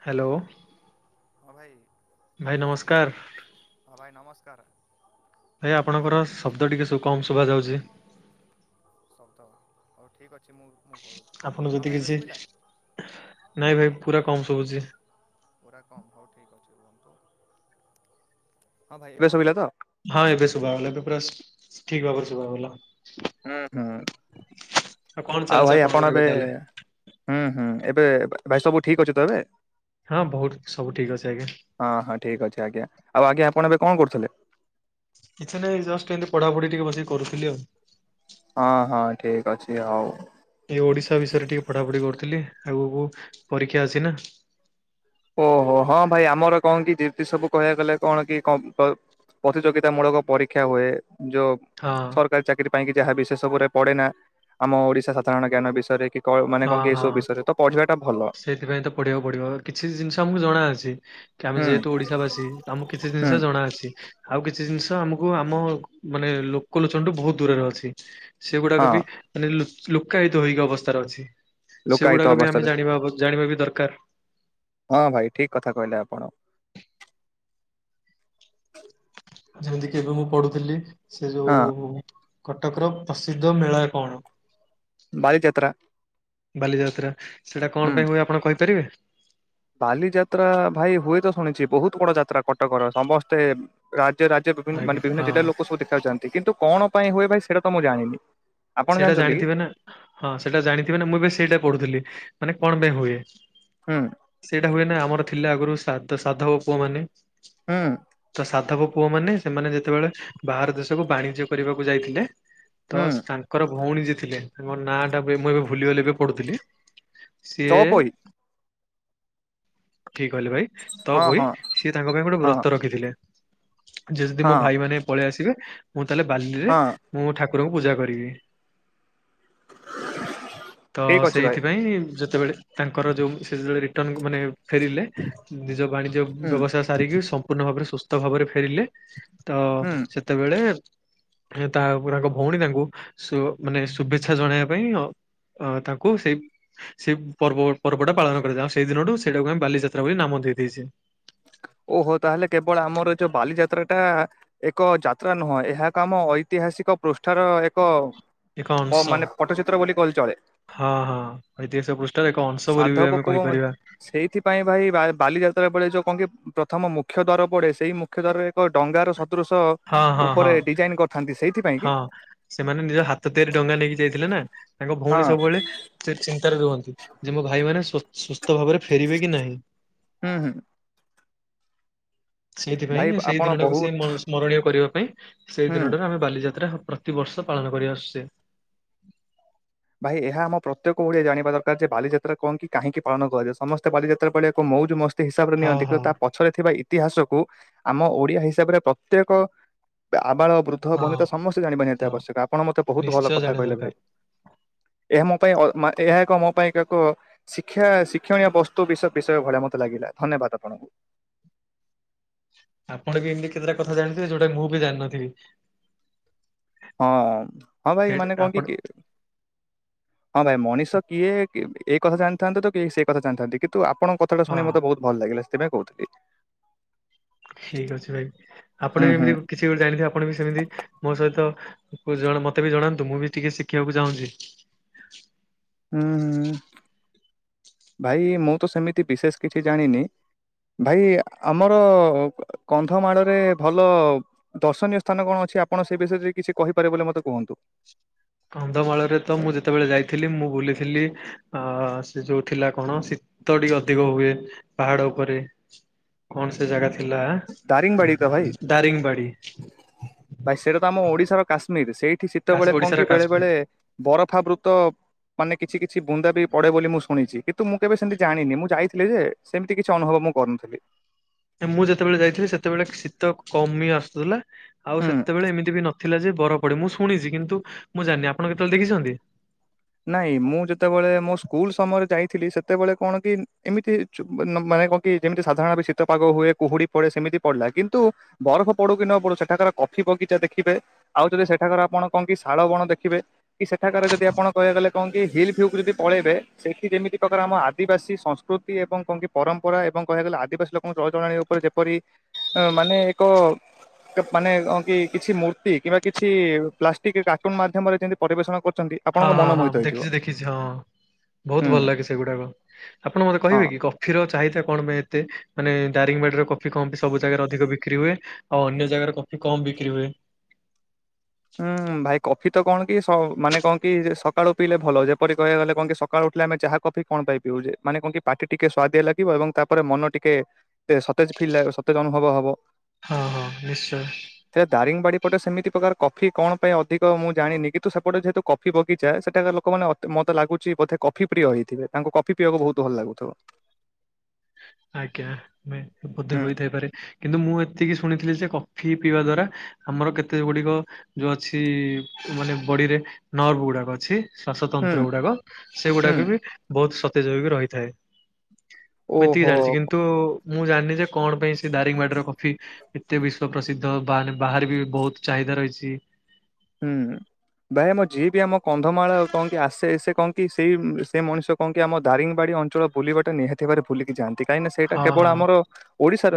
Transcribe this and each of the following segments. Hello hello. ହଁ ଭାଇ ଆବାଜ ଆସୁଛି ନମସ୍କାର। ହଁ ଭାଇ ନମସ୍କାର। ଭାଇ ଆପଣଙ୍କର ଶବ୍ଦ ଟିକେ କମ୍ ଶୁଭା ଯାଉଛି। ଶବ୍ଦ [inaudible] ହଉ ଠିକ୍‌ ଅଛି। ମୁଁ ମୁଁ କରୁଛି ଆପଣ ହଁ ଯଦି ଭାଇ ଏବେ କିଛି ଶୁଭିଲା [inaudible] ନାଇଁ ଭାଇ ପୁରା କମ୍ ଶବୁଛି । ପୁରା କମ୍ ହୋଉ ଠିକ୍ ଅଛି ରୁହନ୍ତୁ ଭାଇ ଏବେ ଶୁବିଲା ତ। ହଁ ଏବେ ଶୁବାଗଲା ଏବେ ପୁରା ଠିକ୍‌ ଭାବରେ ଶୁବା ଗଲା। ହୁଁ ହୁଁ କଣ [inaudible] ଆଉ ଚାଲିଛି ଭାଇ ଆପଣଙ୍କର ଆପଣ ଏବେ ତାହେଲେ? ହୁଁ ହୁଁ ଏ ଏବେ ଭାଇ ସବୁ ଠିକ୍‌ ଅଛିତ ଏବେ। ହଁ ବହୁତ ସବୁ ଠିକ୍ ଅଛି ଆଜ୍ଞା। [inaudible] ହଁ ହଁ ଠିକ୍ ଅଛି ଆଜ୍ଞା ଆଉ ଆଜ୍ଞା ଆପଣ ଏବେ କଣ କରୁଥିଲେ? କିଛି ନାହିଁ ଜଷ୍ଟ ଏମିତି ପଢାପଢି ଟିକେ ବସିକି କରୁଥିଲି ଆଉ। ହଁ ହଁ ଠିକ୍ ଅଛି ଆଉ ଏ ଓଡିଶା ବିଷୟରେ ଟିକେ ପଢ଼ାପଢି କରୁଥିଲି ଆଗକୁ ପରୀକ୍ଷା ଅଛିନା। ଓହୋ ହଁ ଭାଇ ଆମର କଣ କି ଦିର୍ତି ସବୁ କହିବାକୁ ଗଲେ କଣ କି କ ପ୍ରତିଯୋଗିତା ମୂଳକ ପରୀକ୍ଷା ହୁଏ। ଯୋଉ ହଁ ସରକାରୀ ଚାକିରୀ ପାଇଁ କି ଯାହା ବିଶେଷବୁରେ ପେଢେ ନା ଆମ ଓଡିଶା ସାଧାରଣ ଜ୍ଞାନ ବିଷୟରେ କି କ ମାନେ ହଁ କଣ କି ହଁ ଏସବୁ ବିଷୟରେ ତ ପଢିବା ଟା ଭଲ [inaudible] ସେଇଥିପାଇଁ ତ ପଢିବାକୁ ପଡିବ କିଛି ଜିନିଷ ଆମକୁ ଜଣା ଅଛି କି ଆମେ ହୁଁ। ଯେହେତୁ ଓଡିଶା ବାସୀ ଆମକୁ କିଛି ହୁଁ ଜିନିଷ ଜଣାଅଛି। ଆଉ କିଛି ଜିନିଷ ଆମକୁ ଆମ ମାନେ ଲୋକଲୋଚନଠୁ ବହୁତ ଦୂରରେ ଅଛି। ହଁ ସେଗୁଡାକ ବି ମାନେ ଲୁକାୟିତ ହେଇକି ଅବସ୍ଥାରେ ଅଛି। ଲୋକାୟତ ସେଗୁଡାକ ବି ଅବସ୍ଥାରେ ଆମେ ଜାଣିବା ଜାଣିବା ବି ଦରକାର। ହଁ ଭାଇ ଠିକ୍‌ କଥା କହିଲେ ଆପଣ। ଯେମିତି କି ଏବେ ମୁଁ ପଢୁଥିଲି ସେ ହଁ ଯୋଉ କଟକର ପ୍ରସିଦ୍ଧ ମେଳା କଣ? ବାଲିଯାତ୍ରା [inaudible] ବାଲିଯାତ୍ରା ସେଟା ହୁଁ। କଣ ପାଇଁ ହୁଏ ଆପଣ କହିପାରିବେ? ବାଲିଯାତ୍ରା ଭାଇ ହୁଏତ ଶୁଣିଛି ବହୁତ ବଡ ଯାତ୍ରା କଟକର ସମସ୍ତେ ରାଜ ରାଜ୍ୟ ବିଭିନ୍ନ ଆଜ୍ଞା ମାନେ ବିଭିନ୍ନ ହଁ ଜିଲ୍ଲାର ଲୋକ ସବୁ ଦେଖାଯାନ୍ତି। କିନ୍ତୁ କଣ ପାଇଁ ହୁଏ ଭାଇ ସେଇଟା ତ ମୁଁ ଜାଣିନି। ଆପଣ ସେଇଟା ଜାଣିଛନ୍ତି କି ଜାଣିଥିବେ ନା ହଁ ସେଟା ଜାଣିଥିବେ ନା ମୁଁ ବି ସେଇଟା ପଢୁଥିଲି ମାନେ କଣ ପାଇଁ ହୁଏ। ହୁଁ ସେଇଟା ହୁଏ ନା ଆମର ଥିଲା ଆଗରୁ ସା ସାଧବ ପୁଅ ମାନେ ହୁଁ [inaudible] ତ ସାଧବ ପୁଅମାନେ ସେମାନେ ଯେତେବେଳେ ବାହାର ଦେଶକୁ ବାଣିଜ୍ୟ କରିବାକୁ ଯାଇଥିଲେ ତ ହୁଁ ତାଙ୍କ ଭଉଣୀ ଯେ ଥିଲେ ମୋ ନା ଟା ମୁଁ ଏବେ ଭୁଲିଗଲେ ଏବେ ପଢୁଥିଲି [inaudible] ସିଏ ଚଅପୋଇ ଠିକ୍‌ କହିଲେ ଭାଇ ହଁ ତପୋଇ ହଁ ସିଏ ତାଙ୍କ ପାଇଁ ଗୋଟେ ହଁ ବ୍ରତ ରଖିଥିଲେ। ଯ ଯଦି ମୋ ହଁ ଭାଇ ମାନ ପଳେଇ ଆସିବେ ମୁଁ ତାହେଲେ ବାଲିରେ ହଁ ମୁଁ ଠା ରକୁ ପୂଜା କରିବି [inaudible] ତ ଠିକ ଅଛି ଭାଇ ସେଇଥିପାଇଁ ଯେ ସେତେବେଳେ ତାଙ୍କର ଯୋଉ ସେଳେ ରିଟର୍ ମାନେ ଫେରିଲେ ନିଜ ବାଣିଜ୍ୟ ହୁଁ ବ୍ୟବସାୟ ସାରିକି ସମ୍ପୂର୍ଣ୍ଣ ଭାବରେ ସୁସ୍ଥ ଭାବରେ ଫେରିଲେ। ତ ହୁଁ। ସେତେବେଳେ ତା ଉପରେ ତାଙ୍କ ଭଉଣୀ ତାଙ୍କୁ ମାନେ ଶୁଭେଚ୍ଛା ଜଣେଇବା ପାଇଁ ଅ ତାଙ୍କୁ ସେଇ ସେଇ ପର୍ବ ପର୍ବଟା ପାଳନ କରାଯାଏ ଆଉ ସେଇ ଦିନଠୁ ସେଇଟାକୁ ଆମେ ବାଲିଯାତ୍ରା ବୋଲି ନାମ ଦେଇଦେଇଚେ। ଓହୋ ତାହେଲେ କେବଳ ଆମର ଯୋଉ ବାଲିଯାତ୍ରା ଟା ଏକ ଯାତ୍ରା ନୁହଁ ଏହା ଏକ ଆମ ଐତିହାସିକ ପୃଷ୍ଠାର ଏକ ଏକ ଅଂଶ ମାନେ ପଟଚିତ୍ର ବୋଲି କହିଲେ ଚଳେ। ହଁ ହଁ ଐତିହାସିକ ପୃଷ୍ଠାର ଏକ ଅଂଶ [inaudible] ବୋଲି ବି ସାଧବ ଆମେ ପୁଅ କହିପାରିବା। ସେଇଥିପାଇଁ ଭାଇ ବାଲି ବାଲିଯାତ୍ରା ଳେ ଯୋଉ କହ ପ୍ରଥମ ମୁଖ୍ୟ ଦ୍ୱାର ପଡେ ସେଇ ମୁଖ୍ୟ ଦ୍ୱାରରେ ଏକ ଡଙ୍ଗାର ସ ଅ ହଁ ହଁ ହଁ ଉପରେ ଡିଜାଇନ କରିଥାନ୍ତି। ସେଇଥିପାଇଁ କି ହଁ ସେମାନେ ନିଜ ହାତ ତିଆରି ଡଙ୍ଗା ନେଇକି ଯାଇଥିଲେ ନା ତାଙ୍କ ହଁ ଭଉଣୀ ସବୁବେଳେ ରୁହନ୍ତି ଯେ ମୋ ଭାଇମାନୋନ ସୁସ୍ଥ ଭାବରେ ଫେରିବେ କି ନାହିଁ। ହୁଁ ହୁଁ [inaudible] ଭାଇ ସେଇଥିପାଇଁ ସେଇ ଆପଣ ଦିନଟାକୁ ସେ ବହୁତ ସ୍ମରଣୀୟ କରିବା ପାଇଁ ସେଇ ହୁଁ ଦିନଟାରୁ ଆମେ ବାଲିଯାତ୍ରା ହ ପ୍ରତିବର୍ଷ ପାଳନ କରି ଆସୁଚେ। ଭାଇ ଏହା ଆମ ପ୍ରତ୍ୟେକ ଓଡ଼ିଆ ଜାଣିବା ଦରକାର ଯେ ବାଲିଯାତ୍ରା କଣ କି କାହିଁକି ପାଳନ କରାଯାଏ ସମସ୍ତେ ବାଲିଯାତ୍ରା ପଳିଆକୁ ମଉଜ ମସ୍ତି ହିସାବରେ ହଁ ନିଅନ୍ତି କିନ୍ତୁ ହଁ ତା ପଛରେ ଥିବା ଇତି ଇତିହାସକୁୁ ଆମ ଓଡିଆ ହିସାବରେ ପ୍ରତ୍ୟେକ ଆବାଳ ବୃଦ୍ଧ ହଁ। ବନିତା ସମସ୍ତେ ଜାଣିବା ନିହାତି ତ ଆବଶ୍ୟକ ଆପଣ ମତେ ବହୁତ ଭଲ ନିଶ୍ଚୟ କଥା ଜାଣିବା କହିଲେ ଭାଇ ଦରକାର ଏହା ମୋ ପାଇଁ ଅ ମା ଏହା ଏକ ମୋ ପାଇଁ ଏକ ଏକ ଶିକ୍ଷା ଶିକ୍ଷଣୀୟ ବସ୍ତୁ ବିୟ ବିଷୟରେ ଭଳିଆ ମତେ ଲାଗିଲା। ଧନ୍ୟବାଦ ଆପଣଙ୍କୁ। ଆପଣ ବି ଏମିତି କେତେଟା କଥା ଜାଣିଥିବେ ଯୋଉଟା ମୁଁ ବି ଜାଣିନଥିବି। ହଁ ହଁ ଭାଇ ସେଇଟା ମାନେ କଣ କି ଆପଣ କିଏ ହଁ ଭାଇ ମଣିଷ କିଏ? ଏଇ କଥା ଜାଣିଥାନ୍ତ ତ କି ସେ କଥା ଜାଣିଥାନ୍ତି କିନ୍ତୁ ଆପଣଙ୍କ କଥାା ହଁ ଶୁଣି ମତେ ବହୁତ ଭଲ ଲାଗିଲା। ତେବେ କହୁଥିଲି। ଠିକ ଅଛି ଭାଇ ଆପଣ ହୁଁ ବି ହୁଁ ଏମିତି କିଛି ଗୋଟେ ଜାଣିଥିବେ ଆପଣ ବି ସେମିତି ମୋ ସହିତ ଜ ମତେ ବି ଜଣାନ୍ତୁ ମୁଁ ବି ଟିକେ ଶିଖିବାକୁ ଚାହୁଁଛି। ହୁଁ ହୁଁ ଭାଇ ମୁଁ ତ ସେମିତି ବିଶେଷ କିଛି ଜାଣିନି। ଭାଇ ଆମର କନ୍ଧମାଳରେ ଭଲ ଦର୍ଶନୀୟ ସ୍ଥାନ କଣ ଅଛି? କି ଆପଣ ସେ ବିଷୟରେ କିଛି କହିପାରିବେ ବୋଲି ମତେ କୁହନ୍ତୁ। କନ୍ଧମାଳରେ ତ ମୁଁ ଯେତେବେଳେ ଯାଇଥିଲି ମୁଁ ବୁଲିଥିଲି ଅ ସେ ଯୋଉ ଥିଲା କଣ? ଶୀତ ଟିକେ ଅଧିକ ହୁଏ ପାହାଡ ଉପରେ କଣ ସେ ଜାଗା ଥିଲା ଦାରିଙ୍ଗବାଡି ତ ଭାଇ ଦାରିଙ୍ଗବାଡି ଭାଇ ସେଟା ତ ଆମ ଓଡିଶାର କାଶ ମିର ସେଇଠି ଶୀତବେଳେ କଣ ଓଡିଶାର କି ବେଳେ କାଶ୍ମୀର ବଳେ ବରଫା ବୃତ ମାନେ କିଛି କିଛି ବୁନ୍ଦା ବି ପଡ଼େ ବୋଲି ମୁଁ ଶୁଣିଛି। କିନ୍ତୁ ମୁଁ କେବେ ସେମିତି ଜାଣିନି ମୁଁ ଯାଇଥିଲି ଯେ ସେମିତି କିଛି ଅନୁଭବ ମୁଁ କରୁନଥିଲି। ମୁଁ ଯେତେବେଳେ ଯାଇଥିଲି ସେତେବେଳେ ଶୀତ କମି ଆସୁଥିଲା ଆଉ ହୁଁ ସେତେବେଳେ ଏମିତି ବି ନ ଥିଲା ଯେ ବରଫ ପଡେ ମୁଁ ଶୁଣିଛି କିନ୍ତୁ ମୁଁ ଜାଣିନି ଆପଣ କେତେବେଳେ ଦେଖିଛନ୍ତି। ନାଇଁ ମୁଁ ଯେତେବେଳେ ମୋ ସ୍କୁଲ ସମୟରେ ଯାଇଥିଲି ସେତେବେଳେ କଣ କି ଏମିତି [unintelligible] [unintelligible] କଣ କି ଯେମିତି ସାଧାରଣ ଏ ବି ଶୀତ ପାଗ ହୁଏ କୁହୁଡି ପଡେ ସେମିତି ପଡିଲା କିନ୍ତୁ ବରଫ ପଡୁ କି ନ ପଡୁ ସେଠାକାର କଫି ବଗିଚା ଦେଖିବେ ଆଉ ଯଦି ସେଠାକାର ଆପଣ କଣ କି ଶାଳ ବଣ ଦେଖିବେ କି ସେଠାକାରାରେ ଯଦି ଆପଣ କହିବା ଗଲେ କଣ କି ହିଲ୍ ଫିଉ କୁ ଯଦି ପଳେଇବେ ସେଠି ଯେମିତି ପ୍ରକାର ଆମ ଆଦିବାସୀ ସଂସ୍କୃତି ଏବଂ କଣ କି ପରମ ମ୍ପରା ଏବଂ କହିବାକୁ ଗଲେ ଆଦିବାସୀ ଲୋକଙ୍କ ଚଳଚଳାଣି ଉପରେ ଯେପରି ଅ ମାନେ ଏକ ମାନେ କଣ କି କିଛି ମୂର୍ତ୍ତି କିମ୍ବା କିଛି ପ୍ଲାଷ୍ଟିକ କାର୍ଟୁନ ମାଧ୍ୟମରେ ଯେମିତି ପରିବେଷଣ କରୁଛନ୍ତି ହଁ ଆପଣଙ୍କ ହଁ ମନ ହଁ ମୋହିତ ହେଇଯିବ। ଦେଖିଛି ଦେଖିଛି ହଁ। ବହୁତ ଭଲ ହୁଁ ଲାଗେ ସେଗୁଡାକ ଆପଣ ମତେ ହଁ। କହିବେ କି କଫି ର ଚାହିଥା କଣ ପାଇଁ ଏତେ ମାନେ ଦାରିଙ୍ଗବାଡ଼ିରେ କଫି ସବୁ ଜାଗାରେ ଅଧିକ ବିକ୍ରି ହୁଏ ଆଉ ଅନ୍ୟ ଜାଗାରେ କ କମ୍ ବିକ୍ରିି ହୁଏ। ହୁଁ ଭାଇ କଫି ତ କଣ କି ମାନେ କଣ କି ସକାଳୁ ପିଇଲେ ଭଲ ଯେପରି କହିବା ଗଲେ କଣ କି ସକାଳୁ ଆମେ ଚା କଫି କଣ ପାଇଁ ପିଉଛେ ମାନେ କଣ କି ପାଟି ଟିକେ ସ୍ଵାଦିଆ ଲାଗିବ ଏବଂ ତାପରେ ମନ ଟିକେ ସତେଜ ତେ ଅନୁଭବ ହବ ହଁ ହଁ ନିଶ୍ଚୟ। ହେ ଦାରିଙ୍ଗବାଡି ପଟେ ସେମିତି ପ୍ରକାର କଫି କଣ ପାଇଁ ଅଧିକ ମୁଁ ଜାଣିନି କିନ୍ତୁ ସେପଟେ ଯେହେତୁ କଫି ବଗିଚା ସେଇଟା ଲୋକ ମ ମତେ ଲାଗୁଛି ବେ କଫି ପ୍ରିୟ ହେଇଥିବେ ତାଙ୍କୁ କଫି ପିଇବାକୁ ବହୁତ ଭଲ ଲାଗୁଥିବ। ଆଜ୍ଞା ବୋଧେ ହୁଁ ହୋଇଥାଇପାରେ କିନ୍ତୁ ମୁଁ ଏ ଏତିକି ଶୁଣିଥିଲି ଯେ କଫି ପିଇବା ଦ୍ଵାରା ଆମର କେତେ ଗୁଡିକ ଯୋଉ ଅଛି ମାନେ ଡିରେ ନରବ ଗୁଡାକ ଅଛି। ହୁଁ ଶ୍ଵାସତନ୍ତ୍ର ଗୁଡାକ ସେ ହୁଁ ଗୁଡାକ ବି ବହୁତ ସତେଜ ହେଇ ରହିଥାଏ। ଏତିକି ଜାଣିଛି ଓହୋ କିନ୍ତୁ ମୁଁ ଜାଣିନି ଯେ କଣ ପାଇଁ ସେ ଦାରିଙ୍ଗବାଡ଼ିର କଫି ଏତେ ବିଶ୍ଵ ପ୍ରସିଦ୍ଧ ବାହାନେ ବାହାରେ ବି ବହୁତ ଚାହିଦ ରହିଛି। ହୁଁ। ଭାଇ ଆମ ଯିଏ ବି ଆମ କନ୍ଧମାଳ କଣ କି ଆସେ ସେ କହନ୍ତି ସେଇ ସେ ମଣିଷ କଣ କି ଆମ ଦାରିଙ୍ଗ ବାଡି ଅଞ୍ଚଳ ବୁଲିବାଟା ନିହାତି ଭୁଲିକି ଯାନ୍ତି କାହିଁକି ନା ସେଇଟା ହଁ ହଁ କେଵଳ ଆମ ଓଡିଶା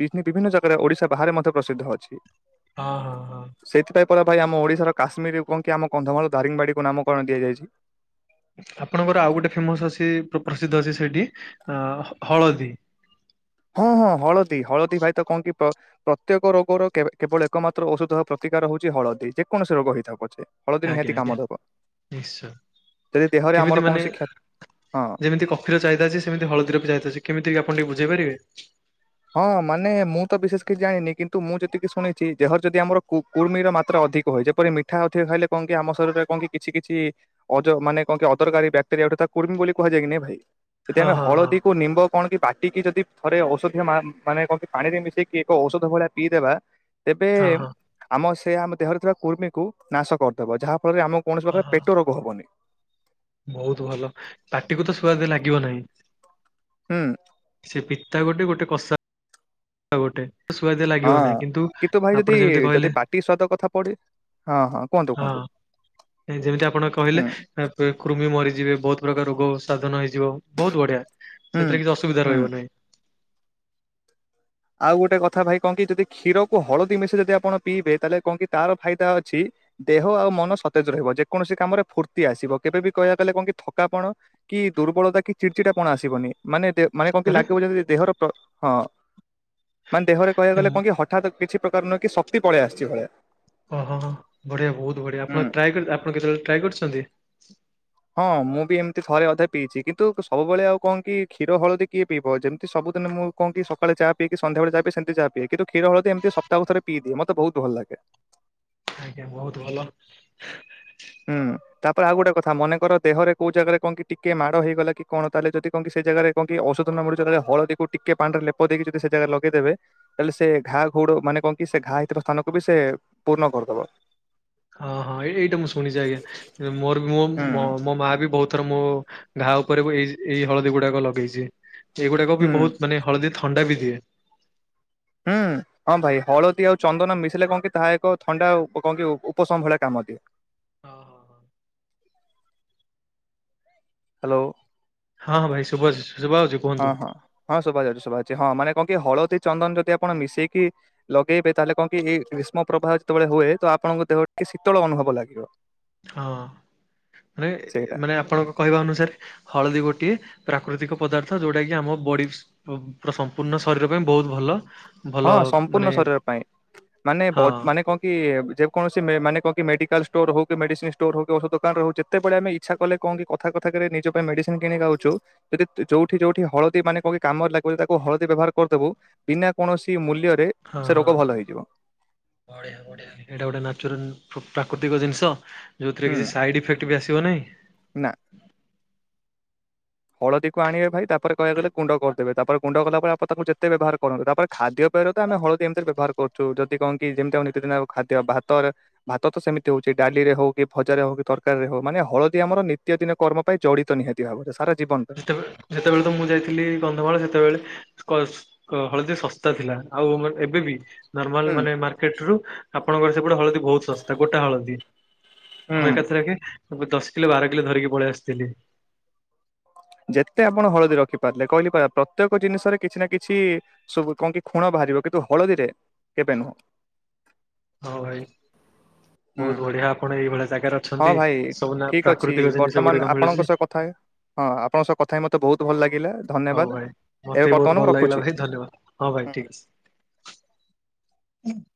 ବିଭିନ୍ନ ଜାଗାରେ ଓଡିଶା ବାହାରେ ମଧ୍ୟ ପ୍ରସିଦ୍ଧ ଅଛି। ହଁ ହଁ ହଁ। ସେଇଥିପାଇଁ ଭାଇ ଆମ ଓଡିଶାର କାଶ୍ମୀର କି ଆମ କନ୍ଧମାଳ ଦାରିଙ୍ଗବାଡି କୁ ନାମକଣ ଦିଆଯାଇଛି। ଆପଣଙ୍କର ଆଉ ଗୋଟେ ଫେମସ ଅଛି ପ୍ରସିଦ୍ଧ ଅଛି ସେଇଠି ଅ ହଳଦୀ ହଁ ହଁ ହଳଦୀ ହଳଦୀ ଭାଇ ତ କଣ କି ପ୍ରତ୍ୟେକ ରୋଗର କେବଳ ଏକମାତ୍ର ଔଷଧ ହବ ପ୍ରତିକାର ହଉଛି ହଳଦୀ ଯେକୌଣସି ରୋଗ ହେଇଥାଉ ପଛେ। ହଳଦୀ ଆଜ୍ଞା ନିହାତି ଆଜ୍ଞା କାମ ଦେବ ନିଶ୍ଚୟ ଯଦି ଦେହରେ କେମିତି ଆମର ମାନେ କୌଣସି କ୍ଷ ହଁ। ଯେମିତି କଫି ଚାହିଦ ଅଛି ସେମିତି ହଳଦୀର ବି ଚାହିଦ ଅଛି କେମିତି ଆପଣ ଟିକେ ବୁଝେଇ ପାରିବେ? ହଁ ମାନେ ମୁଁ ତ ବିଶେଷ କିଛି ଜାଣିନି କିନ୍ତୁ ମୁଁ ଯେତିକି ଶୁଣିଛି ଦେହର ଯଦି ଆମର କୁର୍ମିର ମାତ୍ର ଅଧିକ ହଏ ଯେପରି ମିଠା ଅ ଖାଇଲେ କଣ କି ଆମ ଶରୀରେ କହ କିଛି କିଛି ମାନେ କଣ କି ଅଦରକାରୀ ବ୍ୟାକ୍ଟେରି ଗୋଟେ ତା କୃମି ବୋଲି କୁହାଯାଏ କିି‌ନି ଭାଇ, ଯଦି ହଁ ଆମେ ହଁ ହଁ ହଳଦି କୁ ନିମ୍ବ କଣ କି ବାଟିକି ଯଦି ଥରେ ଔଷ ମାନେ କ ପାଣିରେ ମିଶେଇକି ଏକ ଔଷଧ ଭଳିଆ ପିଇ ଦେବା ତେବେ ହଁ ହଁ ଆମ ସେ ଆମ ଦେହରେ ଥିବା କୃମି କୁ ନାଶ କରିଦେବ ଯାହା ଫଳରେ ଆମକୁ କୌଣସି ହଁ ପ୍ରକାର ହଁ ପେଟ ରୋଗ ହବନି। ବହୁତ ଭଲ ପାଟିକୁ ତ ସୁୁଆଦ ଲାଗିବ ନାହିଁ। ହୁଁ। ସେ ପିତା ଗୋଟେ ଗୋଟେ କଷା ହଁ ଗୋଟେ ସୁଆଦିଆ ହଁ ଲାଗିବ ନାହିଁ କିନ୍ତୁ ଭାଇ ଆପଣ ଯଦି ଯେମିତି କହିଲେ ଯଦି ପାଟି ସଵାଦ କଥା ପଢି ହଁ ହଁ କୁହନ୍ତୁ କୁହନ୍ତୁ। ହଁ ଯେମିତି ଆପଣ କହିଲେ ହୁଁ କୃମି ମରି ଯିବେ ବହୁତ ପ୍ରକାର ରୋଗ ସାଧନ ହେଇଯିବ ବହୁତ ବଢିଆ ହୁଁ ସେଥିରେ କିଛି ଅସୁବିଧା ହୁଁ। ରହିବ ନାହିଁ। ଆଉ ଗୋଟେ କଥା ଭାଇ କଣ କି ଯଦି କ୍ଷୀରକୁ ହଳଦୀ ମିଶି ଯଦି ଆପଣ ପିଇବେ ତାହେଲେ କହ କି ତାର ଫାଇଦା ଅଛି। ଦେହ ଆଉ ମନ ସତେଜ ରହିବ ଯେକୌଣସି କାମରେ ଫୁର୍ତ୍ତି ଆସିବ କେବେ ବି କହିବା ଗଲେ କଣ କି ଥକାପଣ କି ଦୁର୍ବଳତା କି ଚିଡଚିଡା କଣ ଆସିବନି ମାନେ ମାନେ କଣ କି ଥରେ ଲାଗିବ ଯି ଦେହର ହଁ ମାନେ ଦେହରେ କହିବାକୁ ଗଲେ କଣ କି ହଠାତ୍ କିଛି ପ୍ରକାର ନୁହେଁ କି ଶକ୍ତି ପଳେଇ ଆସିଛି ଭଳିଆ ଓହୋ ବଢିଆ ବହୁତ ବଢିଆ ଆପଣ ହୁଁ। ଟାଏ ଆପଣ କେତେବେଳେ ଟ୍ରୀ କରିଛନ୍ତି। ହଁ ମୁଁ ବି ଏମିତି ଥରେ ଅଧା ପିଇଛି କିନ୍ତୁ ସବୁବେଳେ ଆଉ କଣ କି କ୍ଷୀର ହଳଦୀ କିଏ ପିବ ଯେମିତି ସବୁଦିନ ମୁ ମୁଁ କହ କି ସକାଳେ ଚା ପିଇକି ସନ୍ଧ୍ୟାବେଳେ ଚାହା ପିଏ ସେମିତି ଚା ପିଏ କିନ୍ତୁ କ୍ଷୀର ହଳଦି ଏମତି ସପ୍ତାହକୁ ଥରେ ପିଇଦିଏମତେ ବହୁ ଭଲ ଲାଗେ। ଆଜ୍ଞା ବହୁତ ଭଲ। ହୁଁ ତାପରେ ଆଉ ଗୋଟେ କଥା ମନେକର ଦେହରେ କୋଉ ଜାଗାରେ କଣ କି ଟିକେ ମାଡ ହେଇଗଲା କି କଣ ତାହେଲେ ଯଦି କିଛି ସେ ଜାଗାରେ କଣ କି ଔଷଧ ନ ମିଳୁ ହଳଦୀକୁ ଟିକେ ପାଣିରେ ଲେପ ଦେଇକ ଯଦି ସେ ଜାଗା ଲଗେଇଦେ ତାହଲେ ସେ ଘା ହ ମାନେ କଣ କି ସେ ଘା ହେଇଥିବା ସ୍ଥାନକୁ ବି ସେ ପୂର୍ଣ କରିଦବ। ହଁ ହଁ ଏ ଏଇଟା ମୁଁ ଶୁଣିଛି ଆଜ୍ଞା ମୋର ହୁଁ ମୋ ମା ବି ବହୁତ ଏଥର ମୋ ଘା ଉପରେ ବି ଏଇ ଏଇ ହଳଦୀ ଗୁଡାକ ଲଗେଇଛି ଏଇଗୁଡାକ ବି ହୁଁ ବହୁତ ମାନେ ହଳଦୀ ଥଣ୍ଡା ବି ଦିଏ ହୁଁ। ହଁ ଭାଇ ହଳଦୀ ଆଉ ଚନ୍ଦନ ମିଶିଲେ କଣ କି ତାହା ଏକ ଥଣ୍ଡା କଣ କି ଉପଶମ ଭଳିଆ କାମ ଦିଏ। ହଁ ହଁ ହଁ। ହ୍ୟାଲୋ। ହଁ ହଁ ଭାଇ ଶୁଭୁଜି। ହଁ ହଁ ହଁ ଶୋଭା ଯାଉଛି ଶୋଭା ଅଛି ହଁ ମାନ କଣ କି ହଳଦୀ ଚନ୍ଦନ ଯଦି ଆପଣ ମିଶେଇକି ଲଗେଇବେ ତାହେଲେ କଣ କି ଏଇ ଗ୍ରୀଷ୍ମ ପ୍ରବାହ ଯେତେବେଳେ ହୁଏ ତ ଆପଣଙ୍କ ଦେହ ଟିକେ ଶୀତଳ ଅନୁଭବ ଲାଗିବ। ହଁ ମାନେ ସେଇଟା। ମାନେ ଆପଣଙ୍କ କହିବା ଅନୁସାରେ ହଳଦୀ ଗୋଟେ ଗୋଟିଏ ପ୍ରାକୃତିକ ପଦାର୍ଥ ଯୋଉଟା କି ଆମ ବଡି ସମ୍ପୂର୍ଣ୍ଣ ଶରୀର ପାଇଁ ବହୁତ ଭଲ। ଭଲ ହଁ ସମ୍ପୂର୍ଣ୍ଣ ମାନେ ଶରୀର ପାଇଁ ମାନେ ହଁ ମାନେ କଣ କି ଯେକୌଣସି ମାନେ କଣ କି ମେଡିକାଲ ଷ୍ଟୋର ହଉ ମେଡିସିନ ଷ୍ଟୋର ହଉ କି ଔଷଧ ଦୋକାନ ହଉ ଯେତେବେଳ ଆମେ ଇଚ୍ଛା କଲେ କଣ କି କଥା କ ନିଜ ପାଇଁ କିଣିନଉଛୁ ଯଦି ଯୋଉଠି ଯୋଉଠି ହଳଦୀ ମାନେ କ କାମରେ ଲାଗୁ ତାକୁ ହଳଦୀ ବ୍ୟବହାର କରିଦବୁ ବିନା କୌଣସି ମୂଲ୍ୟ ହଁ ହଁ ବଢିଆ ଏଇଟା ଗୋଟେ ନେଚୁରାଲ ପ ପ୍ରାକୃତିକ ଜିନିଷ ଯେଉଁଥିରେ ହୁଁ କିଛି ସାଇଡ଼୍ ଇଫେକ୍ଟ ବି ଆସିବ ନାହିଁ ନା, ହଳଦୀକୁ ଆଣିବେ ଭାଇ ତାପରେ କହିଆକୁ ଗଲେ ଗୁଣ୍ଡ କରିଦେବେ ତାପରେ ଗୁଣ୍ଡ କଲା ପରେପ ତାକୁ ଯେତେ ବ୍ୟବହାର କରନ୍ତୁ ତାପରେ ଖାଦ୍ୟ ଆମେ ହଳଦୀ ଏମିତି ବ୍ୟବହାର କରଛୁ ଯଦି କଣ କି ଯେମିତି ଆମ ନିିତି ଦିନଉ ଖାଦ୍ୟ ଭାତରେ ଭାତ ତ ସେମତି ହଉଛି ଡାଲିରେ ହଉ କି ଭଜାରେ ହଉ କି ତରକାରୀରେ ହଉ ମାନେ ହଳଦୀ ଆମର ନିତ୍ୟ ଦିନ କର୍ମ ପାଇଁ ଜଡିତ ନିହାତି ଭାବରେ ସାରା ଜୀବନ ପାଇଁ। ଯେତେବେଳେ ଯେତେବେଳେ ତ ମୁଁ ଯାଇଥିଲି କନ୍ଧମାଳ ସେତେବେଳେ କହଳଦୀ ଶସ୍ତା ଥିଲା ଆଉ ଏବେ ବି ନର୍ମାଲ ହୁଁ ମାନେ ମାର୍କେଟ ରୁ ଆପଣଙ୍କର ସେ ଗୁଟେ ହଳଦୀ ବହୁତ ଶସ୍ତା ଗୋଟା ହଳଦୀ ହୁଁ। ମୁ ଏକାଥରେ କି ଦଶ କିଲୋ ବାର କିଲୋ ଧରିକି ପଳେଇ ଆସିଥିଲି, ଯେତେ ଆପଣ ହଳଦୀ ରଖି ପାରିଲେ କହିଲେ କ ପ୍ରତ୍ୟେକ ଜିନିଷରେ କିଛି ନା କିଛି କଣ କି ଖୁଣ ବା ବାହାରିବ କିନ୍ତୁ ହଳଦୀରେ କେବେ ନୁହଁ, ହଉ ଭାଇ ବହୁତ ବଢିଆ ଆପଣ ଏଇଭଳିଆ ଜାଗାରେ ହଁ ଅଛନ୍ତି ଭାଇ ସବୁନା ଠିକ ଅଛି ପ୍ରାକୃତିକ ଜିନିଷ ବର୍ତ୍ତମାନ ଗୁଡିକ ଆପଣଙ୍କ ମିଳୁଛି, ସହ କଥା ହଁ ଆପଣଙ୍କ ସହ କଥା ହେଇ ମତେ ବହୁତ ଭଲ ଲାଗିଲା ଧନ୍ୟବାଦ। ହଉ ଭାଇ ଏବେ ମତେ ବି ବହୁତ ବର୍ତ୍ତମାନ ମୁଁ ଭଲ ଲାଗିଲା ରଖୁଛି। ଭାଇ ଧନ୍ୟବାଦ ହଁ ଭାଇ ଠିକ ଅଛି । [unintelligible]